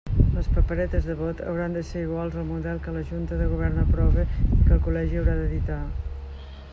Les paperetes de vot hauran de ser iguals al model que la Junta de Govern aprove i que el Col·legi haurà d'editar.